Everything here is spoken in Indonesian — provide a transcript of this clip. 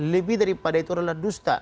lebih daripada itu adalah dusta